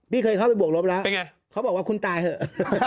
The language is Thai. เคยเข้าไปบวกลบแล้วเป็นไงเขาบอกว่าคุณตายเถอะ